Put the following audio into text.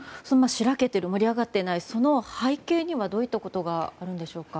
しらけている盛り上がってないその背景には、どういったことがあるんでしょうか。